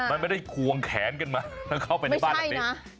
มันไม่ได้ควงแขนกันมาแล้วเข้าไปในบ้านหลังนี้